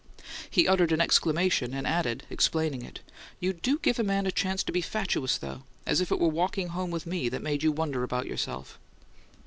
He uttered an exclamation, and added, explaining it, "You do give a man a chance to be fatuous, though! As if it were walking home with me that made you wonder about yourself!"